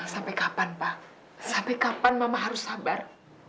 sampai kapan pak sampai kapan mama harus sabar